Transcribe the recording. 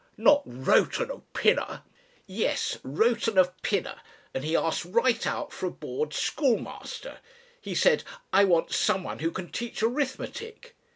"Not Rowton of Pinner?" "Yes, Rowton of Pinner. And he asked right out for a board schoolmaster. He said, 'I want someone who can teach arithmetic.'"